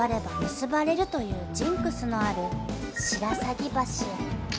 結ばれるというジンクスのある白鷺橋へ］